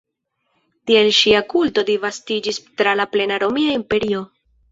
Tiel ŝia kulto disvastiĝis tra la plena Romia imperio.